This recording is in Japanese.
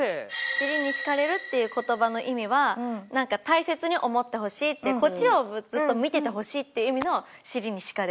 「尻に敷かれる」っていう言葉の意味は大切に思ってほしいってこっちをずっと見ててほしいっていう意味の尻に敷かれる。